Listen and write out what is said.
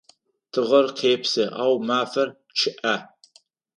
Тыгъэр къепсы, ау мафэр чъыӏэ.